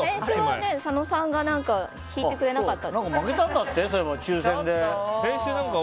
先週佐野さんが引いてくれなかった。